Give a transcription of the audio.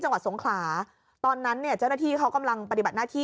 จังหวัดสงขลาตอนนั้นเนี่ยเจ้าหน้าที่เขากำลังปฏิบัติหน้าที่